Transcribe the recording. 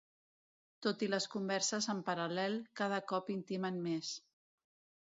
Tot i les converses en paral·lel, cada cop intimen més.